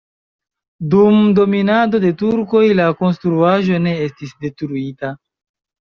Dum dominado de turkoj la konstruaĵo ne estis detruita.